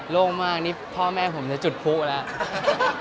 โล่งมากนี่พ่อแม่ผมจะจุดผู้แล้ว